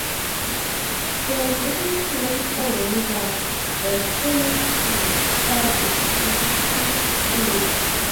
Phil Dunne later wrote that the film fell between two stools.